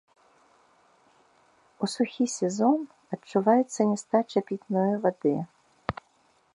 У сухі сезон адчуваецца нястача пітной вады.